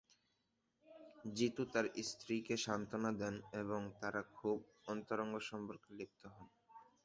জিতু তাঁর স্ত্রীকে সান্ত্বনা দেন এবং তাঁরা খুব অন্তরঙ্গ সম্পর্কে লিপ্ত হন।